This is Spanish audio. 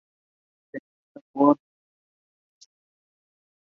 Se encuentran por Seychelles, Madagascar, India, Sri Lanka, Borneo, e islas del Pacífico.